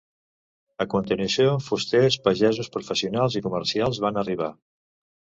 A continuació fusters, pagesos, professionals i comerciants van arribar.